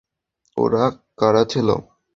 ওরা কারা ছিল?